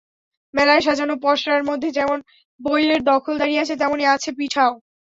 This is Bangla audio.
মেলায় সাজানো পসরার মধ্যে যেমন বইয়ের দখলদারি আছে, তেমনি আছে পিঠাও।